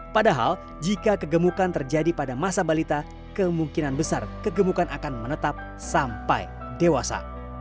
padahal jika kegemukan terjadi pada masa balita kemungkinan besar kegemukan akan menetap sampai dewasa